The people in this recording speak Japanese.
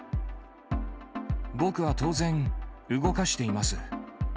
僕は当然、動かしています。